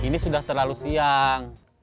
ini sudah terlalu siang